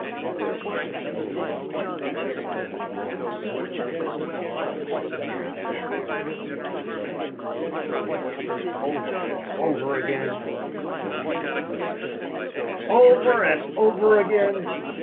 Warburton slowly got up. He was growing purple in the face. His hair seemed rising. He doubled a huge fist. "Over and over again!" he roared, furiously. "Over and over again!